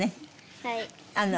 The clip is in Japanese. はい。